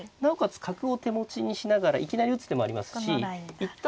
角を手持ちにしながらいきなり打つ手もありますし一旦